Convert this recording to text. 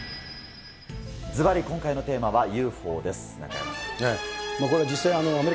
ずばり今回のテーマはＵＦＯです。